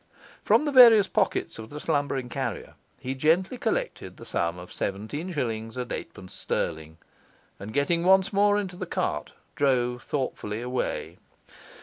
From the various pockets of the slumbering carrier he gently collected the sum of seventeen shillings and eightpence sterling; and, getting once more into the cart, drove thoughtfully away.